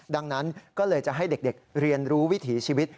ดังนั้นก็เลยจะให้เด็กเรียนรู้วิถีชีวิต